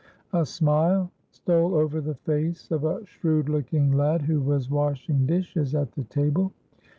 A smile stole over the face of a shrewd looking lad who was washing dishes at the table.